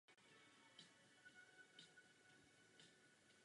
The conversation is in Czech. V tomto smyslu jde vlastně o první vědeckou hypotézu.